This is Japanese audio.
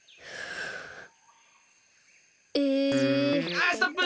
あストップ！